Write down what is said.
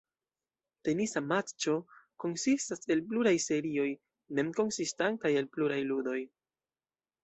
Tenisa matĉo konsistas el pluraj serioj, mem konsistantaj el pluraj ludoj.